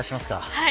はい。